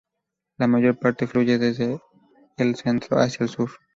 La mayor parte fluye desde el centro hacia el sur.